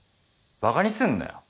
馬鹿にすんなよ。